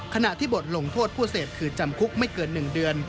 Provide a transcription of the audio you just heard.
ขณะที่บทลงโทษผู้เสพคือจำคุกไม่เกิน๑เดือน